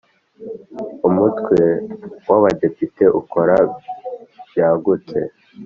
Umutwe w’ Abadepite ukora byagutse.